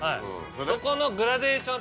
そこのグラデーションを。